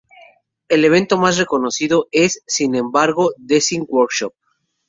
El evento más reconocido es, sin embargo, el Design Workshop.